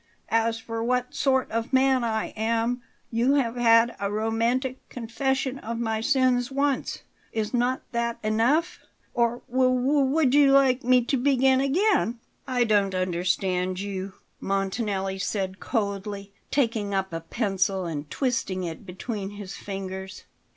As for what sort of man I am, you have had a romantic confession of my sins once. Is not that enough; or w w would you like me to begin again?" "I don't understand you," Montanelli said coldly, taking up a pencil and twisting it between his fingers.